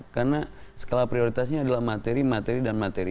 karena skala prioritasnya adalah materi materi dan materi